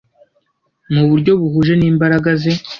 mu buryo buhuje n imbaraga ze